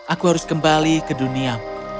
aku harus kembali ke dunia